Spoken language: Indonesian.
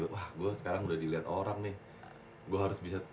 wah gua sekarang udah dilihat orang nih gua harus bisa